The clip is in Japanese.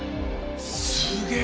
すげえ！